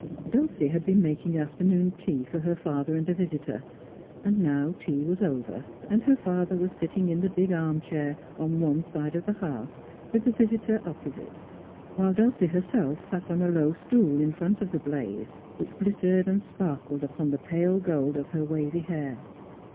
Dulcie had been making afternoon tea for her father and a visitor ; and now tea was over, and her father was sitting in the big arm chair on one side of the hearth, with the visitor opposite, while Dulcie herself sat on a low stool in front of the blaze, which glittered and sparkled iipon the pale gold of her wavy hair.